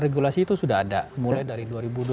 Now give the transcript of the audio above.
regulasi itu sudah ada mulai dari